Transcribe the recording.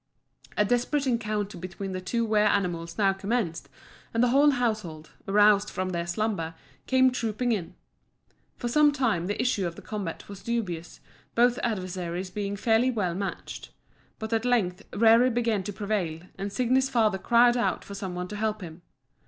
A desperate encounter between the two wer animals now commenced, and the whole household, aroused from their slumber, came trooping in. For some time the issue of the combat was dubious, both adversaries being fairly well matched. But at length Rerir began to prevail, and Signi's father cried out for some one to help him.